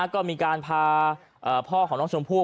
ก็มีการพาพ่อของน้องชมพู่